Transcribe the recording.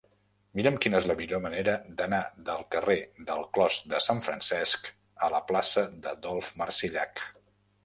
Mira'm quina és la millor manera d'anar del carrer del Clos de Sant Francesc a la plaça d'Adolf Marsillach.